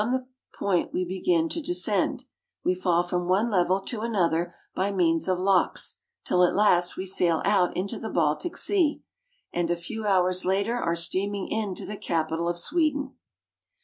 this point we begin to descend ; we fall from one level to another by means of locks, till, at last, we sail out into the Baltic Sea, and a few hours later are steaming into the capital of Sweden.